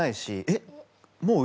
えっ？